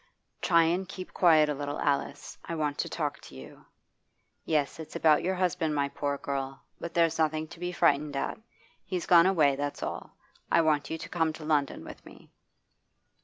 'Try and keep quiet a little, Alice. I want to talk to you. Yes, it's about your husband, my poor girl; but there's nothing to be frightened at. He's gone away, that's all. I want you to come to London with me.